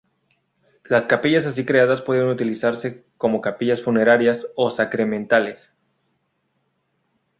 Las capillas así creadas pueden utilizarse como capillas funerarias o sacramentales.